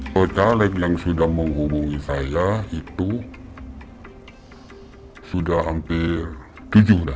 pecaleg yang sudah menghubungi saya itu sudah hampir tujuh dah